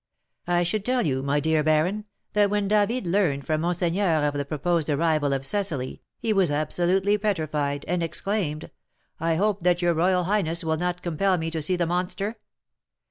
"I should tell you, my dear baron, that when David learned from monseigneur of the proposed arrival of Cecily, he was absolutely petrified, and exclaimed, 'I hope that your royal highness will not compel me to see the monster?'